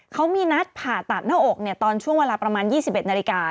เขามีนัดผ่าตัดหน้าอกตอนช่วงเวลาประมาณ๒๑นาฬิกา